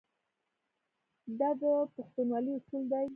دا د پښتونولۍ اصول دي.